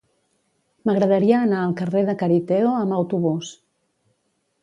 M'agradaria anar al carrer de Cariteo amb autobús.